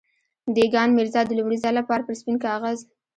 دېګان ميرزا د لومړي ځل لپاره پر سپين کاغذ.